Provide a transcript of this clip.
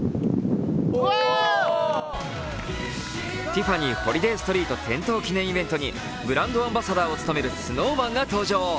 ティファニーホリデーストリート点灯記念イベントにブランドアンバサダーを務めるＳｎｏｗＭａｎが登場。